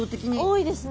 多いですね。